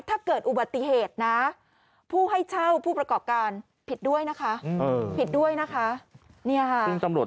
ถ้าเกิดอุบัติเหตุนะผู้ให้เช่าผู้ประกอบการผิดด้วยนะคะ